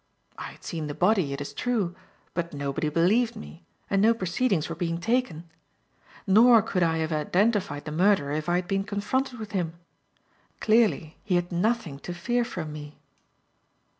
I had seen the body, it is true; but nobody believed me and no proceedings were being taken. Nor could I have identified the murderer if I had been confronted with him. Clearly, he had nothing to fear from me.